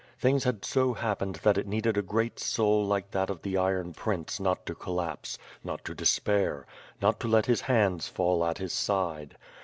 Things had so happened that it needed a great soul like that of the iron prince not to col lapse; not to despair; not to. let his hands fall at his side.